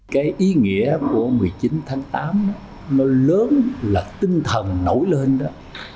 cái ý nghĩa của một mươi chín tháng tám nó lớn là tinh thần nổi lên đó